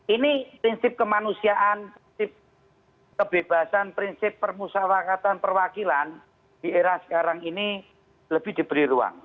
ini prinsip kemanusiaan prinsip kebebasan prinsip permusafakatan perwakilan di era sekarang ini lebih diberi ruang